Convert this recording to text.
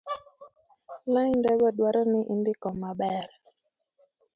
laindego dwaro ni indiko maber